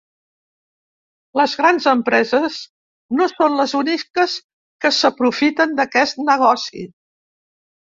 Les grans empreses no són les úniques que s’aprofiten d’aquest negoci.